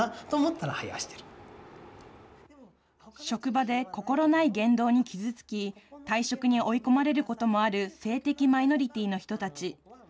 職場で心ない言動に傷つき、退職に追い込まれることもある性的マイノリティーの人たち。